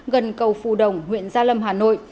gần cầu phù đồng huyện gia lâm hà nội